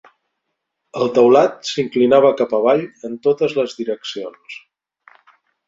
El teulat s'inclinava cap avall en totes les direccions.